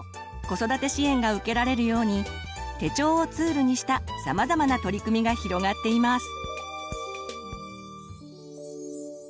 子育て支援が受けられるように手帳をツールにしたさまざまな取り組みが広がっています。